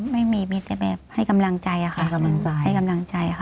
ไม่มีมีแต่แม่ให้กำลังใจค่ะ